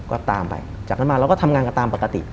ก็ตามไปจากนั้นมาเราก็ทำงานกันตามปกติ